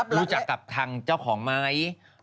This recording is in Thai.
รู้จักกับทางเจ้าของไหม